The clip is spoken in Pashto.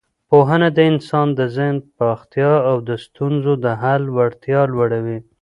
پوهنه د انسان د ذهن پراختیا او د ستونزو د حل وړتیا لوړوي.